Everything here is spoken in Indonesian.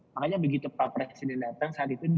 makanya begitu pak presiden datang saat itu dua ribu tujuh belas